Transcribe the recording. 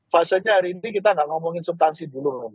fasetnya hari ini kita gak ngomongin subtansi dulu